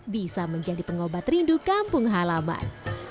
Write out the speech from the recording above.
bisa menjadi pengobat rindu kampung halaman